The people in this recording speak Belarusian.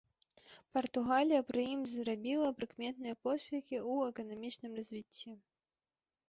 Партугалія пры ім зрабіла прыкметныя поспехі ў эканамічным развіцці.